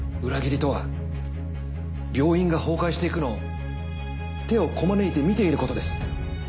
裏切りとは病院が崩壊していくのを手をこまねいて見ていることです。